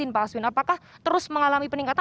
pak aswin apakah terus mengalami peningkatan